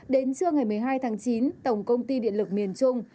đến trưa ngày một mươi hai tháng chín tổng công ty điện lực miền trung